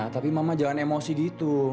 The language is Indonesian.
tapi mama jangan emosi gitu